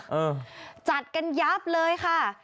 จัดกันยับเลยค่ะ